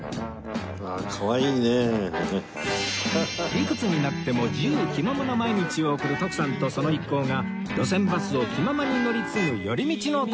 いくつになっても自由気ままな毎日を送る徳さんとその一行が路線バスを気ままに乗り継ぐ寄り道の旅